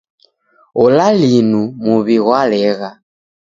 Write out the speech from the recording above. Ola linu muw'I ghwalegha!